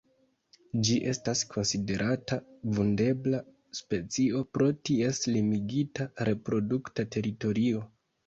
Ĝi estas konsiderata vundebla specio pro ties limigita reprodukta teritorio.